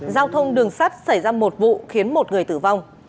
giao thông đường sắt xảy ra một vụ khiến một người tử vong